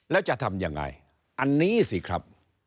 แล้วจะทำยังไงอันนี้สิครับ